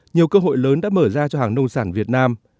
nhiều cơ hội lớn đã mở ra cho hàng nông sản việt nam